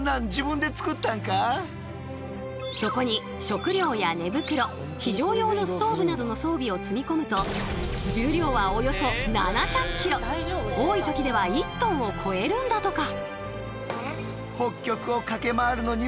そこに食料や寝袋非常用のストーブなどの装備を積み込むと多い時では１ｔを超えるんだとか。